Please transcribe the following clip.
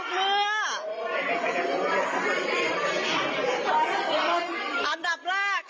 อันดับแรกเอาลวงกาไปหาหมอนะคะ